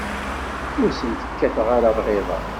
Ur sent-kkateɣ ara lɣiḍa.